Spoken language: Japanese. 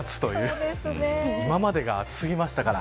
今までが暑すぎましたから。